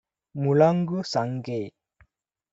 முழங்கு சங்கே!